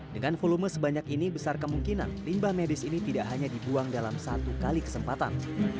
dengan volume sebanyak ini besar kemungkinan limbah medis ini tidak hanya dibuang dalam satu kali kesempatan